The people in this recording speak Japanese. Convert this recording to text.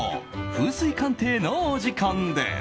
風水鑑定のお時間です。